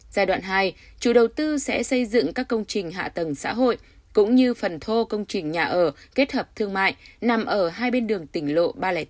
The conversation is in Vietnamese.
giai đoạn hai chủ đầu tư sẽ xây dựng các công trình hạ tầng xã hội cũng như phần thô công trình nhà ở kết hợp thương mại nằm ở hai bên đường tỉnh lộ ba trăm linh tám